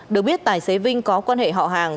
được biết tài xế vinh có quan hệ họ hàng